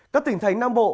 các tỉnh thánh nam bộ